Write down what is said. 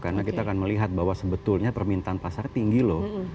karena kita akan melihat bahwa sebetulnya permintaan pasar tinggi loh